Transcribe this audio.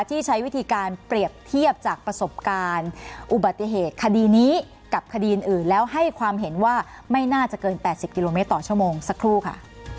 ที่ใช้วิธีการเปรียบเทียบจากประสบการณ์อุบัติเหตุคดีนี้กับคดีอื่นแล้วให้ความเห็นว่าไม่น่าจะเกิน๘๐กิโลเมตรต่อชั่วโมงสักครู่ค่ะ